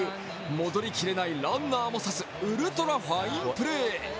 戻りきれないランナーも刺すウルトラファインプレー。